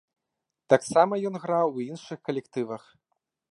Таксама ён граў у іншых калектывах.